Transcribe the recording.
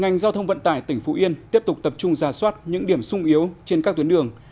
ngành giao thông vận tải tỉnh phú yên tiếp tục tập trung giả soát những điểm sung yếu trên các tuyến đường